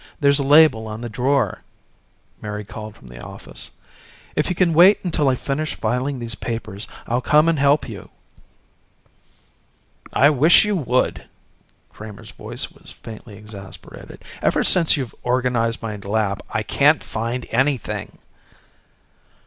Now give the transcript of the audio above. There's a label on the drawer," Mary called from the office. "If you can wait until I finish filing these papers, I'll come in and help you." "I wish you would," Kramer's voice was faintly exasperated. "Ever since you've organized my lab I can't find anything."